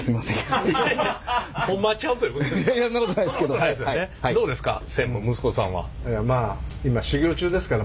どうですか？